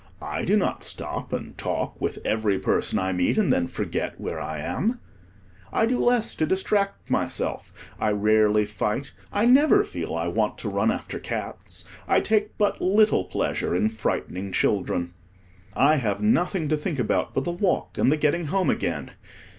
I do not stop and talk with every person I meet, and then forget where I am. I do less to distract myself: I rarely fight, I never feel I want to run after cats, I take but little pleasure in frightening children. I have nothing to think about but the walk, and the getting home again.